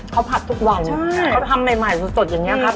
เขาผัดทุกวังเขาทำใหม่ใหม่สวยสดอย่างเงี้ยครับ